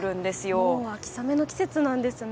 もう秋雨の季節なんですね。